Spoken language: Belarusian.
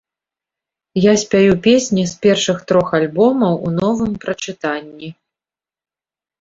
Я спяю песні з першых трох альбомаў у новым прачытанні.